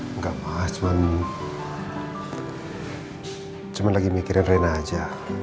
enggak ma cuman lagi mikirin rena aja